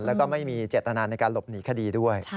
แล้วก็ไม่มีเจตนาในการหลบหนีคดีด้วย